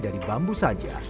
dari bambu saja